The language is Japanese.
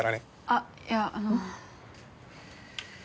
あっいやあの。